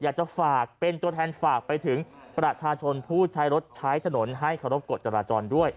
อยากจะแต่งฝากไปถึงประชาชนผู้ใช้รถใช้ถนนให้ขวับกฎจรด้วย